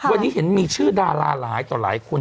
วันนี้เห็นมีชื่อดาราหลายต่อหลายคน